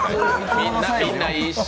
みんな一緒！